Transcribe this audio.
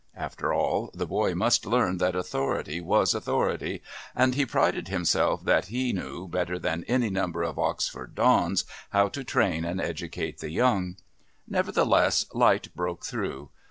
After all, the boy must learn that authority was authority, and he prided himself that he knew, better than any number of Oxford Dons, how to train and educate the young. Nevertheless light broke through.